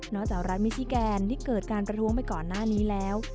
จากรัฐมิชิแกนที่เกิดการประท้วงไปก่อนหน้านี้แล้ว